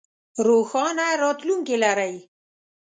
روښانه راتلوونکې لرئ